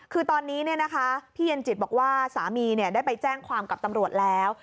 คือตอนนี้พี่เย็นจิตบอกว่าสามีได้ไปแจ้งความกับตำรวจแล้ว